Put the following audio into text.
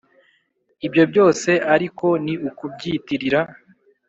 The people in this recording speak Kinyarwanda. ibyo byose ariko ni ukubyitirira